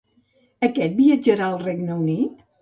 Aquest viatjarà al Regne Unit?